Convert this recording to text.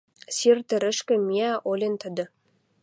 Сир тӹрӹшкӹ миӓ олен тӹдӹ